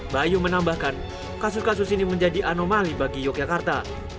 bayu menambahkan kasus kasus ini menjadi anomali bagi yogyakarta